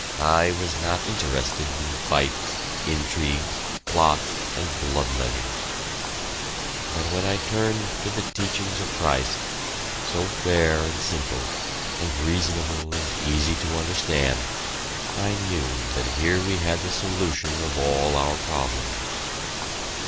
I was not interested in fights, intrigues, plots, and blood letting. But when I turned to the teachings of Christ, so fair and simple, and reasonable and easy to understand, I knew that here we had the solution of all our problems.